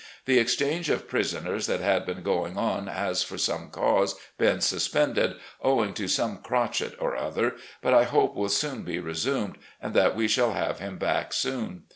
The exchange of prisoners that had been going on has, for some cause, been suspended, owing to some crotchet or other, but I hope will soon be resumed, and that we shall have him back soon.